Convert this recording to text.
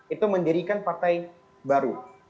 itu mendirikan partai baru